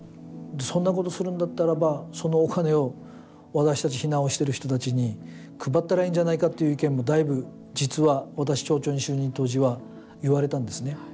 そんなことをするんだったらば、そのお金を私たち避難をしてる人たちに配ったらいいんじゃないかという意見もだいぶ、実は私、町長に就任当時は言われたんですね。